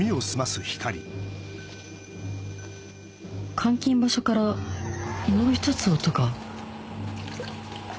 監禁場所からもう１つ音が